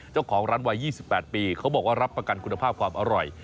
เจ้าของร้านวัย๒๘ปีเขาบอกว่ารับประกันคุณภาพความอร่อย